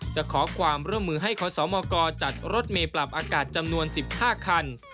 จะขอความร่วมมือให้ขอสมกจัดรถเมย์ปรับอากาศจำนวน๑๕คัน